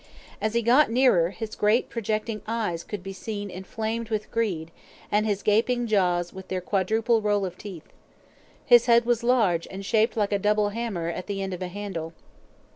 As he got nearer, his great projecting eyes could be seen inflamed with greed, and his gaping jaws with their quadruple row of teeth. His head was large, and shaped like a double hammer at the end of a handle.